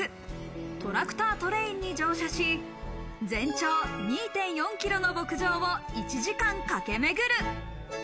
トラクタートレインに乗車し、全長２．４ｋｍの牧場を１時間かけめぐる。